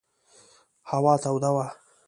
هوا توده وه.